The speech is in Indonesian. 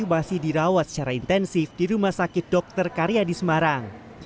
masih dirawat secara intensif di rumah sakit dr karyadi semarang